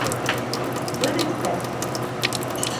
Види текстів